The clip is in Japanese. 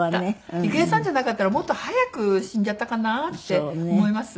郁恵さんじゃなかったらもっと早く死んじゃったかなって思います。